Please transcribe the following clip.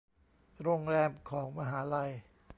โรงแรมของมหาลัย